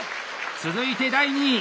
続いて第２位！